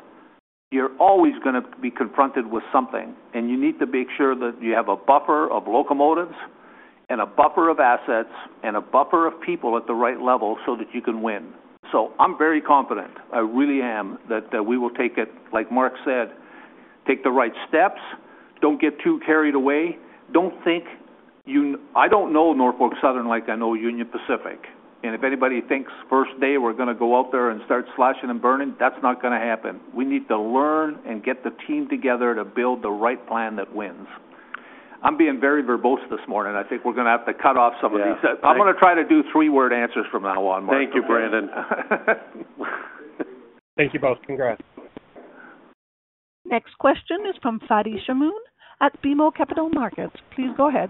You're always going to be confronted with something, and you need to make sure that you have a buffer of locomotives and a buffer of assets and a buffer of people at the right level so that you can win. I'm very confident. I really am that we will take it, like Mark said, take the right steps. Don't get too carried away. I don't know Norfolk Southern like I know Union Pacific. If anybody thinks first day we're going to go out there and start slashing and burning, that's not going to happen. We need to learn and get the team together to build the right plan that wins. I'm being very verbose this morning. I think we're going to have to cut off some of these. I'm going to try to do three-word answers from now on, Mark. Thank you, Brandon. Thank you both. Congrats. Next question is from Fadi Chamoun at BMO Capital Markets. Please go ahead.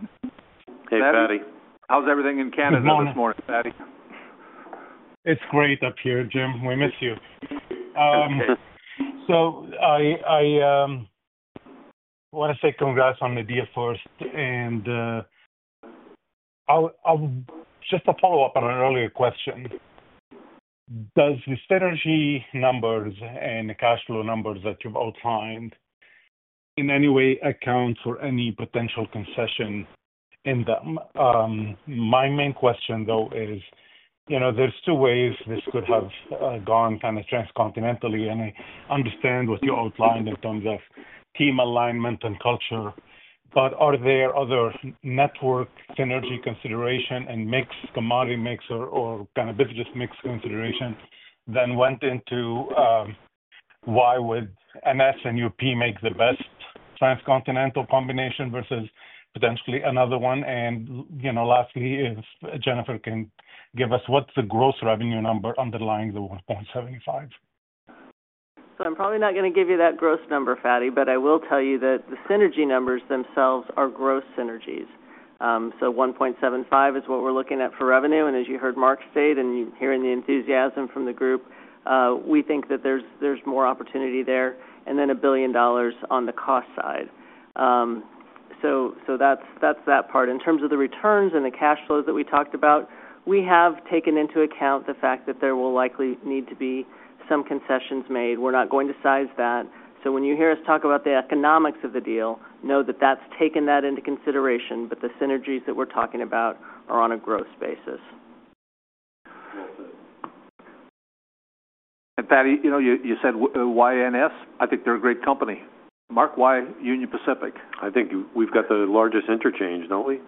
Hey, Fadi. How's everything in Canada this morning, Fadi? It's great up here, Jim. We miss you. I want to say congrats on the deal first. Just a follow-up on an earlier question. Do the synergy numbers and the cash flow numbers that you've outlined in any way account for any potential concession in them? My main question, though, is there are two ways this could have gone kind of transcontinentally. I understand what you outlined in terms of team alignment and culture. Are there other network synergy consideration and mixed, commodity mixed, or kind of business mixed consideration that went into why would NS and UP make the best transcontinental combination versus potentially another one? Lastly, if Jennifer can give us what's the gross revenue number underlying the $1.75 billion? I'm probably not going to give you that gross number, Fadi, but I will tell you that the synergy numbers themselves are gross synergies. $1.75 billion is what we're looking at for revenue. As you heard Mark say, and you hear the enthusiasm from the group, we think that there's more opportunity there. Then a billion dollars on the cost side. That's that part. In terms of the returns and the cash flows that we talked about, we have taken into account the fact that there will likely need to be some concessions made. We're not going to size that. When you hear us talk about the economics of the deal, know that that's taken that into consideration, but the synergies that we're talking about are on a gross basis. Fadi, you said why NS? I think they're a great company. Mark, why Union Pacific? I think we've got the largest interchange, don't we?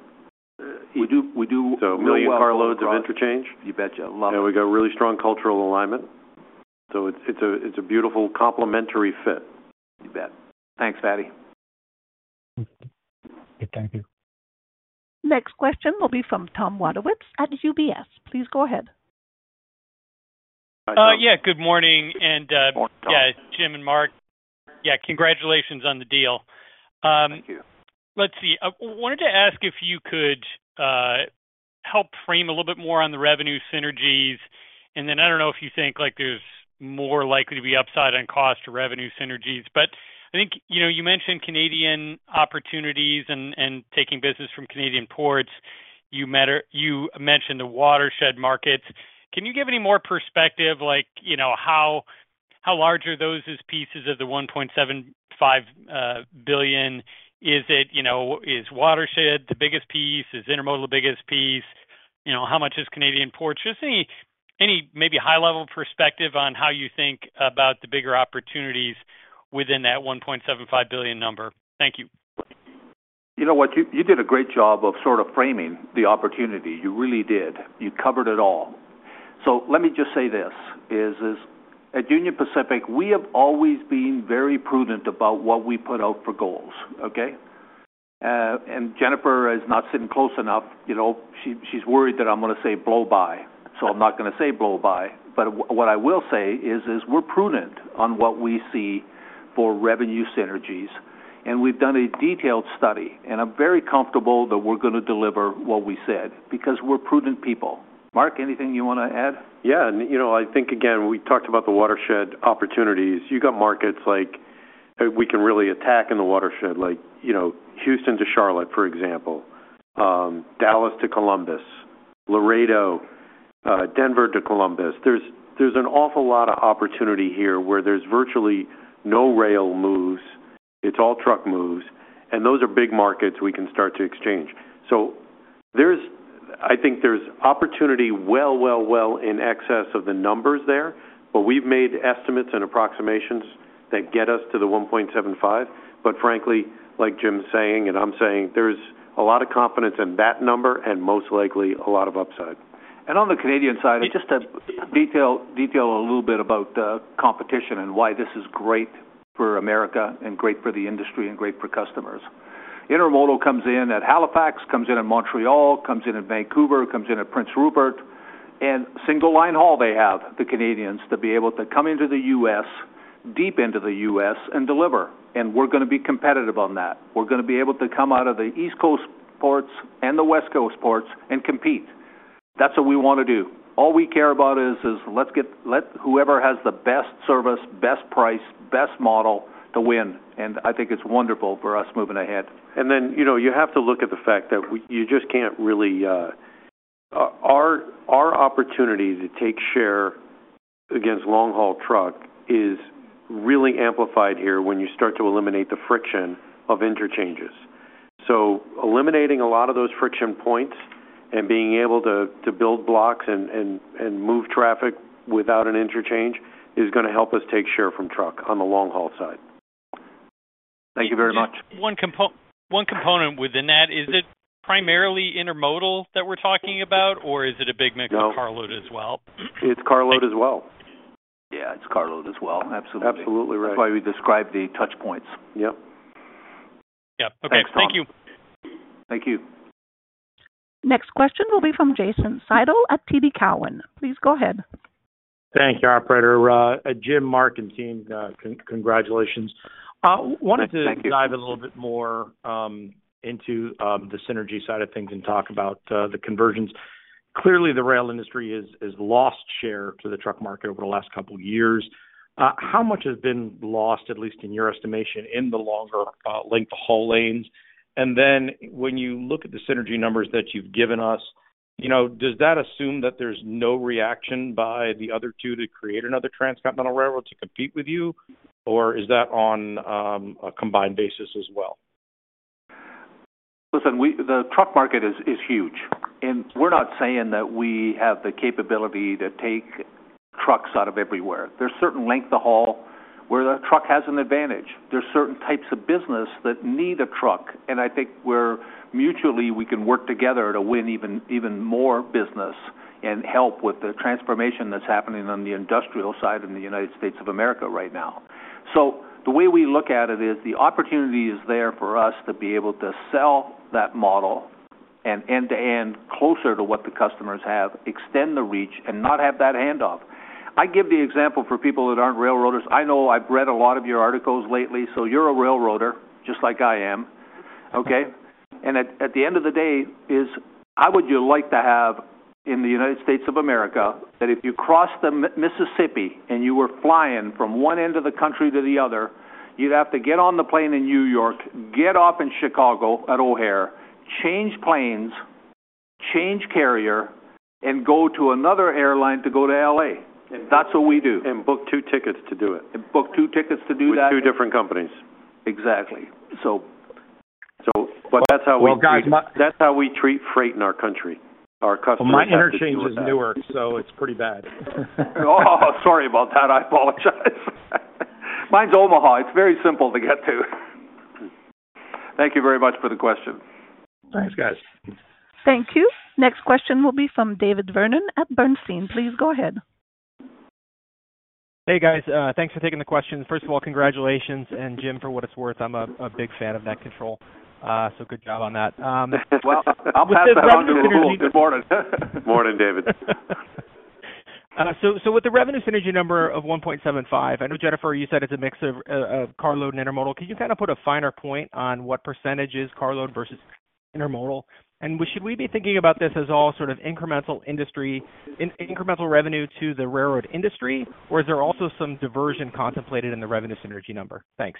We do. So million carloads of interchange. You bet you. We have got really strong cultural alignment. It is a beautiful complementary fit. You bet. Thanks, Fadi. Thank you. Next question will be from Tom Wadewitz at UBS. Please go ahead. Yeah. Good morning. Morning, Tom. Yeah. Jim and Mark. Yeah. Congratulations on the deal. Thank you. Let's see. I wanted to ask if you could help frame a little bit more on the revenue synergies. I don't know if you think there's more likely to be upside on cost or revenue synergies. I think you mentioned Canadian opportunities and taking business from Canadian ports. You mentioned the watershed markets. Can you give any more perspective, like, how large are those as pieces of the $1.75 billion? Is watershed the biggest piece? Is intermodal the biggest piece? How much is Canadian ports? Just any maybe high-level perspective on how you think about the bigger opportunities within that $1.75 billion number. Thank you. You know what? You did a great job of sort of framing the opportunity. You really did. You covered it all. Let me just say this. At Union Pacific, we have always been very prudent about what we put out for goals, okay? Jennifer is not sitting close enough. She's worried that I'm going to say blow by. I'm not going to say blow by. What I will say is we're prudent on what we see for revenue synergies. We've done a detailed study. I'm very comfortable that we're going to deliver what we said because we're prudent people. Mark, anything you want to add? Yeah. I think, again, we talked about the watershed opportunities. You've got markets like we can really attack in the watershed, like Houston to Charlotte, for example. Dallas to Columbus, Laredo. Denver to Columbus. There's an awful lot of opportunity here where there's virtually no rail moves. It's all truck moves. Those are big markets we can start to exchange. I think there's opportunity well, well, well in excess of the numbers there. We've made estimates and approximations that get us to the $1.75 billion. Frankly, like Jim's saying and I'm saying, there's a lot of confidence in that number and most likely a lot of upside. On the Canadian side, just to detail a little bit about the competition and why this is great for America and great for the industry and great for customers. Intermodal comes in at Halifax, comes in at Montreal, comes in at Vancouver, comes in at Prince Rupert. Single line haul they have, the Canadians, to be able to come into the U.S., deep into the U.S., and deliver. We are going to be competitive on that. We are going to be able to come out of the East Coast ports and the West Coast ports and compete. That is what we want to do. All we care about is let's get whoever has the best service, best price, best model to win. I think it is wonderful for us moving ahead. You have to look at the fact that you just cannot really. Our opportunity to take share against long-haul truck is really amplified here when you start to eliminate the friction of interchanges. Eliminating a lot of those friction points and being able to build blocks and move traffic without an interchange is going to help us take share from truck on the long-haul side. Thank you very much. One component within that, is it primarily intermodal that we're talking about, or is it a big mix of carload as well? It's carload as well. Yeah. It's carload as well. Absolutely. Absolutely right. That's why we describe the touch points. Yep. Yep. Okay. Thank you. Thank you. Next question will be from Jason Seidl at TD Cowen. Please go ahead. Thank you, Operator. Jim, Mark and team, congratulations. Wanted to dive a little bit more into the synergy side of things and talk about the conversions. Clearly, the rail industry has lost share to the truck market over the last couple of years. How much has been lost, at least in your estimation, in the longer length haul lanes? When you look at the synergy numbers that you've given us, does that assume that there's no reaction by the other two to create another transcontinental railroad to compete with you, or is that on a combined basis as well? Listen, the truck market is huge. We're not saying that we have the capability to take trucks out of everywhere. There is a certain length of haul where the truck has an advantage. There are certain types of business that need a truck. I think where mutually we can work together to win even more business and help with the transformation that is happening on the industrial side in the United States of America right now. The way we look at it is the opportunity is there for us to be able to sell that model and end-to-end closer to what the customers have, extend the reach, and not have that handoff. I give the example for people that are not railroaders. I know I have read a lot of your articles lately, so you are a railroader just like I am, okay? At the end of the day, how would you like to have in the United States of America that if you crossed the Mississippi and you were flying from one end of the country to the other, you would have to get on the plane in New York, get off in Chicago at O'Hare, change planes, change carrier, and go to another airline to go to L.A.? That is what we do. Book two tickets to do it. Book two tickets to do that. With two different companies. Exactly. So, but that's how we treat freight in our country, our customers. My interchange is Newark, so it's pretty bad. Oh, sorry about that. I apologize. Mine's Omaha. It's very simple to get to. Thank you very much for the question. Thanks, guys. Thank you. Next question will be from David Vernon at Bernstein. Please go ahead. Hey, guys. Thanks for taking the question. First of all, congratulations. Jim, for what it's worth, I'm a big fan of NetControl. So good job on that. I'm happy to have you on the news report. Good morning. Morning, David. With the revenue synergy number of $1.75 billion, I know, Jennifer, you said it's a mix of carload and intermodal. Could you kind of put a finer point on what percentage is carload versus intermodal? Should we be thinking about this as all sort of incremental revenue to the railroad industry, or is there also some diversion contemplated in the revenue synergy number? Thanks.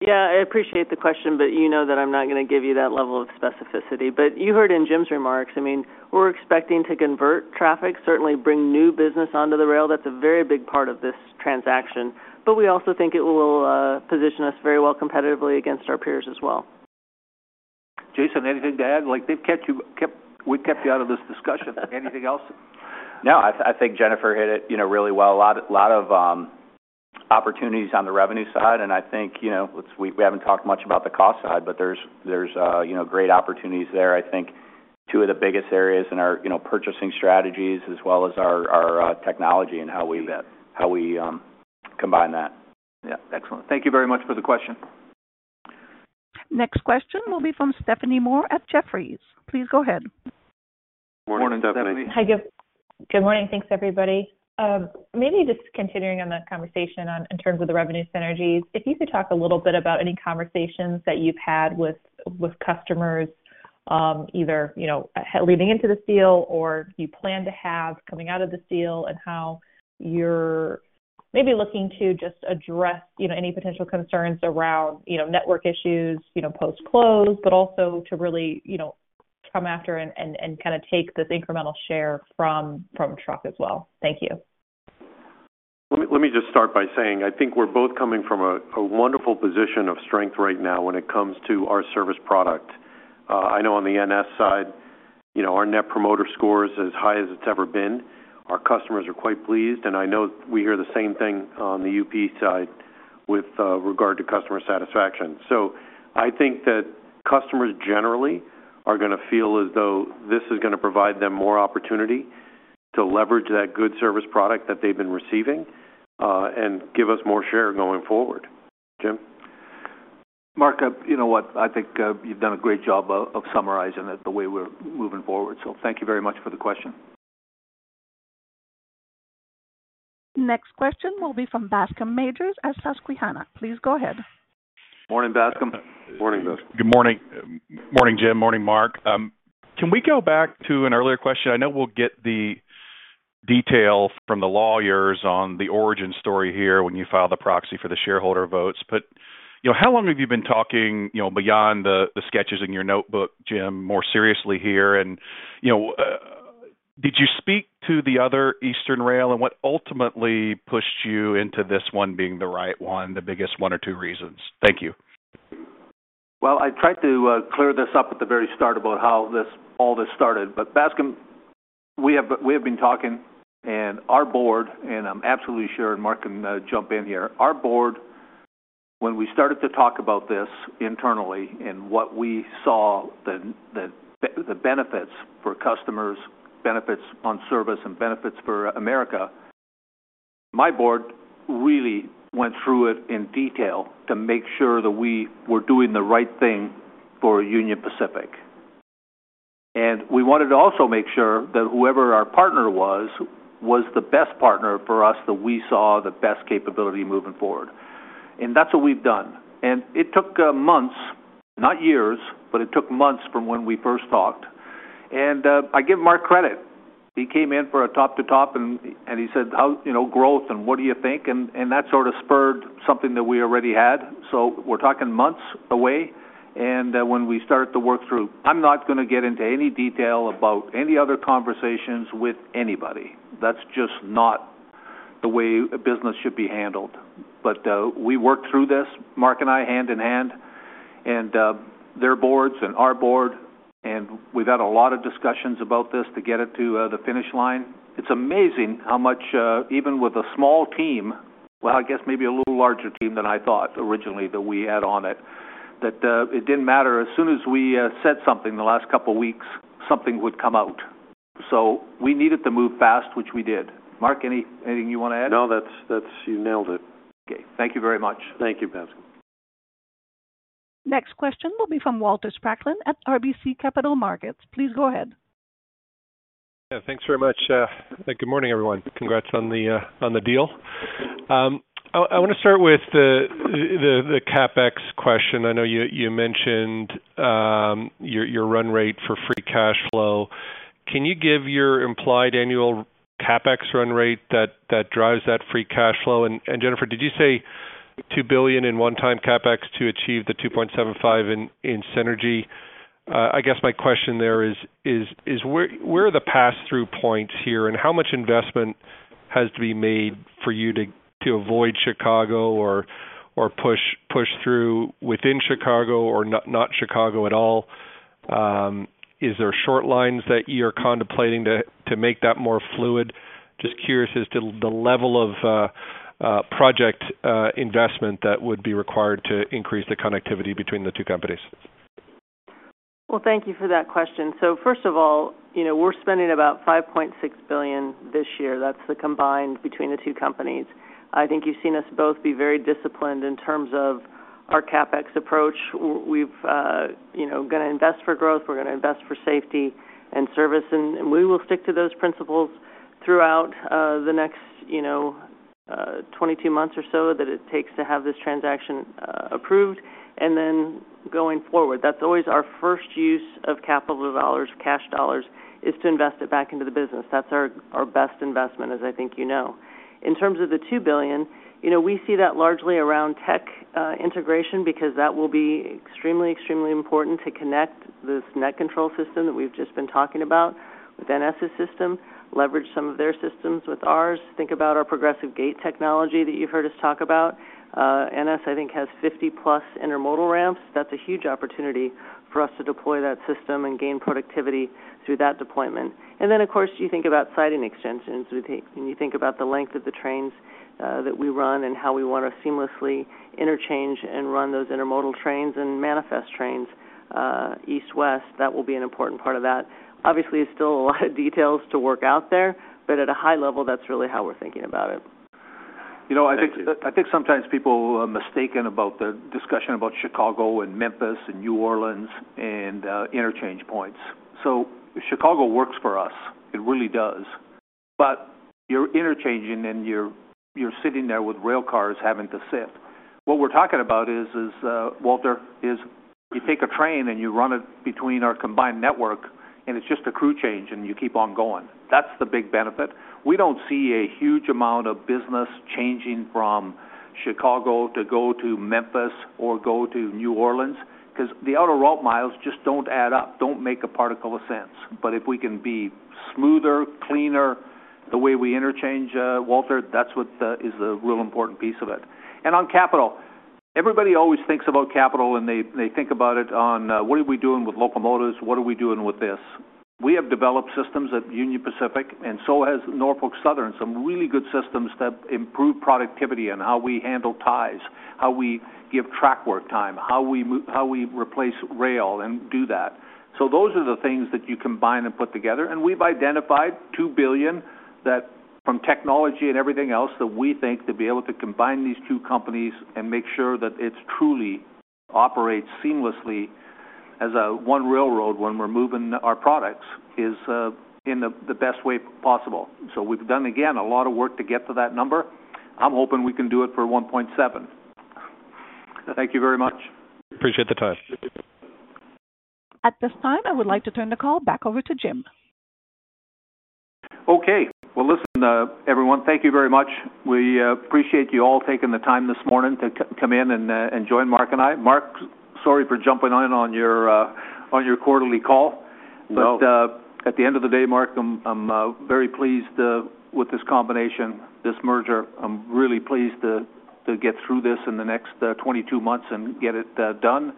Yeah. I appreciate the question, but you know that I'm not going to give you that level of specificity. But you heard in Jim's remarks, I mean, we're expecting to convert traffic, certainly bring new business onto the rail. That's a very big part of this transaction. But we also think it will position us very well competitively against our peers as well. Jason, anything to add? We've kept you out of this discussion. Anything else? No, I think Jennifer hit it really well. A lot of opportunities on the revenue side. I think we have not talked much about the cost side, but there are great opportunities there. I think two of the biggest areas are in our purchasing strategies as well as our technology and how we combine that. Yeah. Excellent. Thank you very much for the question. Next question will be from Stephanie Moore at Jefferies. Please go ahead. Good morning, Stephanie. Good morning. Thanks, everybody. Maybe just continuing on that conversation in terms of the revenue synergies, if you could talk a little bit about any conversations that you've had with customers, either leading into the deal or you plan to have coming out of the deal and how you're maybe looking to just address any potential concerns around network issues post-close, but also to really come after and kind of take this incremental share from truck as well. Thank you. Let me just start by saying I think we're both coming from a wonderful position of strength right now when it comes to our service product. I know on the NS side, our net promoter score is as high as it's ever been. Our customers are quite pleased. I know we hear the same thing on the UP side with regard to customer satisfaction. I think that customers generally are going to feel as though this is going to provide them more opportunity to leverage that good service product that they've been receiving. And give us more share going forward. Jim? Mark, you know what? I think you've done a great job of summarizing it the way we're moving forward. Thank you very much for the question. Next question will be from Bascome Majors at Susquehanna. Please go ahead. Morning, Bascome. Morning, Bascome. Good morning. Morning, Jim. Morning, Mark. Can we go back to an earlier question? I know we'll get the detail from the lawyers on the origin story here when you filed the proxy for the shareholder votes. How long have you been talking beyond the sketches in your notebook, Jim, more seriously here? Did you speak to the other Eastern Rail? What ultimately pushed you into this one being the right one, the biggest one or two reasons? Thank you. I tried to clear this up at the very start about how all this started. Bascome, we have been talking, and our board, and I'm absolutely sure Mark can jump in here. Our Board. When we started to talk about this internally and what we saw, the benefits for customers, benefits on service, and benefits for America. My Board really went through it in detail to make sure that we were doing the right thing for Union Pacific. We wanted to also make sure that whoever our partner was, was the best partner for us that we saw the best capability moving forward. That's what we've done. It took months, not years, but it took months from when we first talked. I give Mark credit. He came in for a top-to-top, and he said, "Growth, and what do you think?" That sort of spurred something that we already had. We're talking months away. When we started to work through, I'm not going to get into any detail about any other conversations with anybody. That's just not the way a business should be handled. We worked through this, Mark and I, hand in hand. Their boards and our board. We've had a lot of discussions about this to get it to the finish line. It's amazing how much, even with a small team, I guess maybe a little larger team than I thought originally that we had on it, that it didn't matter as soon as we said something the last couple of weeks, something would come out. We needed to move fast, which we did. Mark, anything you want to add? No, you nailed it. Okay. Thank you very much. Thank you, Bascome. Next question will be from Walter Spracklin at RBC Capital Markets. Please go ahead. Yeah. Thanks very much. Good morning, everyone. Congrats on the deal. I want to start with the CapEx question. I know you mentioned your run rate for free cash flow. Can you give your implied annual CapEx run rate that drives that free cash flow? And Jennifer, did you say $2 billion in one-time CapEx to achieve the $2.75 billion in synergy? I guess my question there is, where are the pass-through points here? And how much investment has to be made for you to avoid Chicago or push through within Chicago or not Chicago at all? Is there short lines that you're contemplating to make that more fluid? Just curious as to the level of project investment that would be required to increase the connectivity between the two companies. Thank you for that question. First of all, we're spending about $5.6 billion this year. That's the combined between the two companies. I think you've seen us both be very disciplined in terms of our CapEx approach. We're going to invest for growth. We're going to invest for safety and service. We will stick to those principles throughout the next 22 months or so that it takes to have this transaction approved. Going forward, that's always our first use of capital dollars, cash dollars, is to invest it back into the business. That's our best investment, as I think you know. In terms of the $2 billion, we see that largely around tech integration because that will be extremely, extremely important to connect this NetControl system that we've just been talking about with NS's system, leverage some of their systems with ours, think about our Progressive Gate technology that you've heard us talk about. NS, I think, has 50+ intermodal ramps. That's a huge opportunity for us to deploy that system and gain productivity through that deployment. Of course, you think about siding extensions. When you think about the length of the trains that we run and how we want to seamlessly interchange and run those intermodal trains and manifest trains east, west, that will be an important part of that. Obviously, it's still a lot of details to work out there, but at a high level, that's really how we're thinking about it. I think sometimes people are mistaken about the discussion about Chicago and Memphis and New Orleans and interchange points. Chicago works for us. It really does. But you're interchanging and you're sitting there with rail cars having to sit. What we're talking about is, Walter, is you take a train and you run it between our combined network, and it's just a crew change and you keep on going. That's the big benefit. We don't see a huge amount of business changing from Chicago to go to Memphis or go to New Orleans because the outer route miles just don't add up, don't make a particle of sense. If we can be smoother, cleaner, the way we interchange, Walter, that's what is the real important piece of it. On capital, everybody always thinks about capital and they think about it on what are we doing with locomotives? What are we doing with this? We have developed systems at Union Pacific, and so has Norfolk Southern, some really good systems that improve productivity and how we handle ties, how we give trackwork time, how we replace rail and do that. Those are the things that you combine and put together. We've identified $2 billion from technology and everything else that we think to be able to combine these two companies and make sure that it truly operates seamlessly as one railroad when we're moving our products is in the best way possible. We've done, again, a lot of work to get to that number. I'm hoping we can do it for $1.7 billion. Thank you very much. Appreciate the time. At this time, I would like to turn the call back over to Jim. Okay. Listen, everyone, thank you very much. We appreciate you all taking the time this morning to come in and join Mark and I. Mark, sorry for jumping in on your quarterly call. At the end of the day, Mark, I'm very pleased with this combination, this merger. I'm really pleased to get through this in the next 22 months and get it done.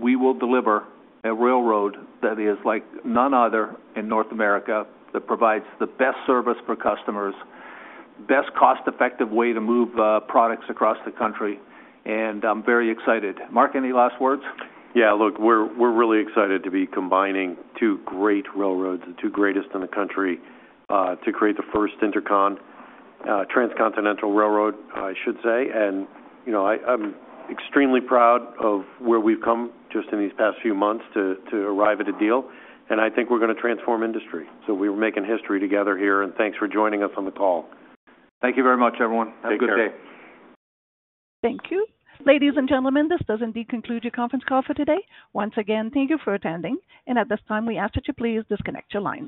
We will deliver a railroad that is like none other in North America that provides the best service for customers, best cost-effective way to move products across the country. I'm very excited. Mark, any last words? Yeah. Look, we're really excited to be combining two great railroads, the two greatest in the country, to create the first intercontinental railroad, I should say. I'm extremely proud of where we've come just in these past few months to arrive at a deal. I think we're going to transform industry. We are making history together here. Thanks for joining us on the call. Thank you very much, everyone. Have a good day. Thank you. Ladies and gentlemen, this does indeed conclude your conference call for today. Once again, thank you for attending. At this time, we ask that you please disconnect your lines.